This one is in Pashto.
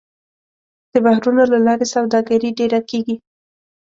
د بحرونو له لارې سوداګري ډېره کېږي.